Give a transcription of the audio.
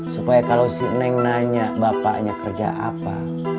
supaya kalau si neng nanya bapaknya kerja apa